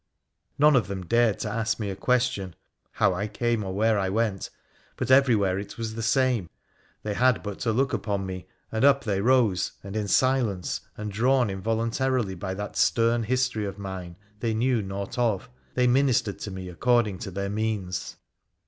None of them dared ask me a question, how I came or where I went, but every where it was the same. They had but to look upon me, and up they rose, and in silence, and, drawn involuntarily by that stern history of mine they knew naught of, they ministered to me according to their means.